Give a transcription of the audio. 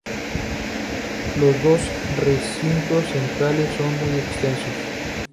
Los dos recintos centrales son muy extensos.